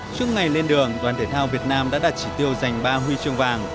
trước ngày lên đường đoàn thể thao việt nam đã đặt chỉ tiêu giành ba huy chương vàng